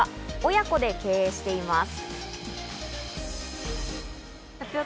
親子で経営しています。